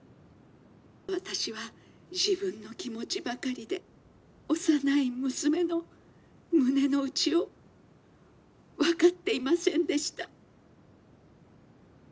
私は自分の気持ちばかりで幼い娘の胸の内を分かっていませんでした」。